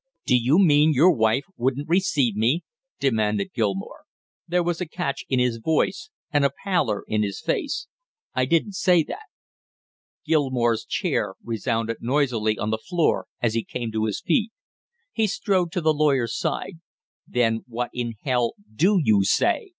"Do you mean your wife wouldn't receive me?" demanded Gilmore. There was a catch in his voice and a pallor in his face. "I didn't say that." Gilmore's chair resounded noisily on the floor as he came to his feet. He strode to the lawyer's side. "Then what in hell do you say?"